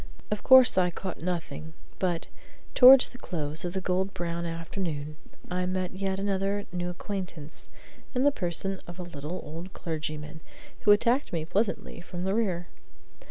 Of course I caught nothing; but, towards the close of the gold brown afternoon, I made yet another new acquaintance, in the person of a little old clergyman who attacked me pleasantly from the rear.